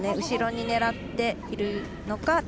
後ろに狙っているのか。